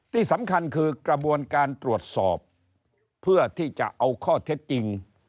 ที่สำคัญคือกระบวนการตรวจสอบเพื่อที่จะเอาข้อเท็จจริง